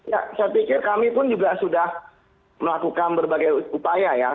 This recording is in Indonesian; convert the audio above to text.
ya saya pikir kami pun juga sudah melakukan berbagai upaya ya